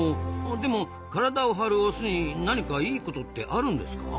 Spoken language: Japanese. でも体を張るオスに何かいいことってあるんですか？